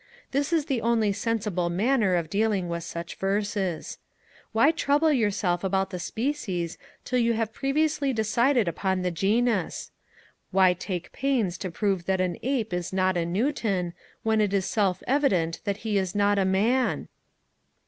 This is the only sensible manner of dealing with such verses. Why trouble yourself about the species till you have previously decided upon the genus? Why take pains to prove than an ape is not a Newton, when it is self evident that he is not a man?